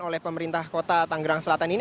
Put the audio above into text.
oleh pemerintah kota tanggerang selatan ini